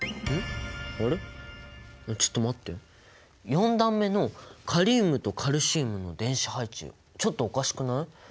４段目のカリウムとカルシウムの電子配置ちょっとおかしくない？